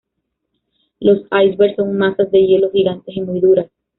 Los icebergs son masas de hielo gigantes y muy duras.